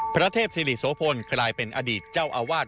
พระเทพศิริโสพลกลายเป็นอดีตเจ้าอาวาส